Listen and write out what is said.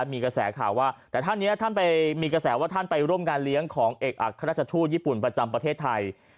มีกระแสข่าวว่าท่านไปร่วมการเลี้ยงของเอกอักษรทูตญี่ปุ่นประจำประเทศไทย